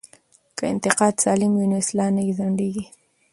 که انتقاد سالم وي نو اصلاح نه ځنډیږي.